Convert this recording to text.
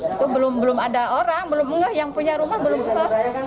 itu belum ada orang yang punya rumah belum ke